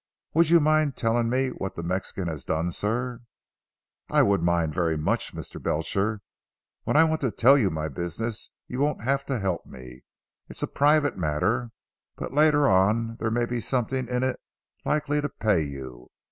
"Would you mind telling me what the Mexican has done sir?" "I would mind very much Mr. Belcher. When I want to tell you my business you won't have to help me. It is a private matter. But later on there may be something in it likely to pay you.